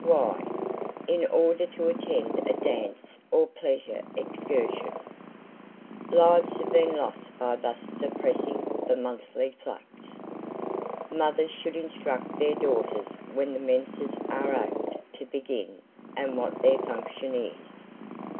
Why? In order to attend a dance or pleasure excursion! Lives have been lost by thus suppressing the monthly flux. Mothers should instruct their daughters when the menses are apt to begin, and what their function is.